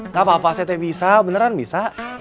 nggak apa apa pak aceh bisa beneran bisa